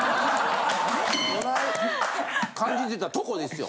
感じてたとこですよ。